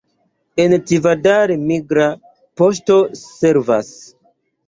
En Tivadar migra poŝto servas.